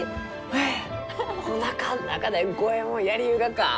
えおなかの中で五右衛門やりゆうがか！